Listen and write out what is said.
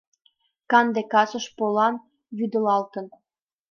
Канде касыш полан вӱдылалтын.